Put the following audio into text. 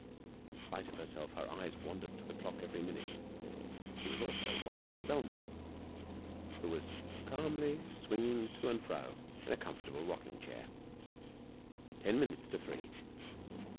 In spite of herself, her eyes wandered to the clock every minute. She also watched Velmont, who was calmly swinging to and fro in a comfortable rocking chair. Ten minutes to three!....